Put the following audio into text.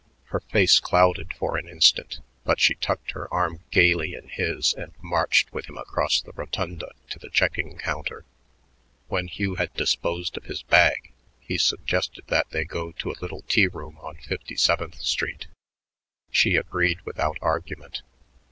Her face clouded for an instant, but she tucked her arm gaily in his and marched with him across the rotunda to the checking counter. When Hugh had disposed of his bag, he suggested that they go to a little tea room on Fifty seventh Street. She agreed without argument.